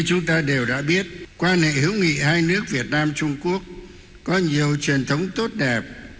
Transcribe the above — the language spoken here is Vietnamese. chúng ta đều đã biết quan hệ hữu nghị hai nước việt nam trung quốc có nhiều truyền thống tốt đẹp